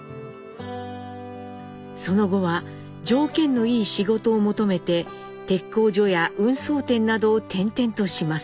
その後は条件のいい仕事を求めて鉄工所や運送店などを転々とします。